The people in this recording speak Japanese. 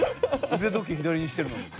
腕時計左にしてるのに。